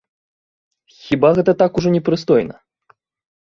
Хіба гэта так ужо непрыстойна?